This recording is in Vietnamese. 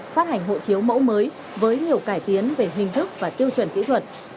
phát hành hộ chiếu mẫu mới với nhiều cải tiến về hình thức và tiêu chuẩn kỹ thuật